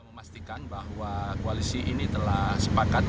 memastikan bahwa koalisi ini telah sepakat